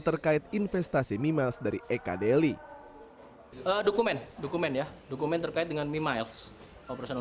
terkait investasi mimas dari eka deli dokumen dokumen dokumen terkait dengan mimas operasional